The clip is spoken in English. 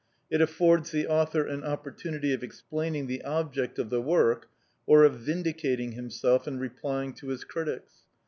It affords the author an opportunity of explaining the object of the work, or of vindicating himself and replying to his critics.